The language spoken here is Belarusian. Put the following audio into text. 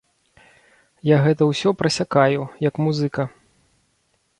Я гэта ўсё прасякаю, як музыка.